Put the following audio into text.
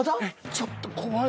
ちょっと怖い！